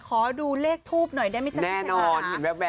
ขอดูเลขทูบหน่อยแม่แจกพี่แคลรา